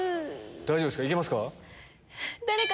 大丈夫ですか？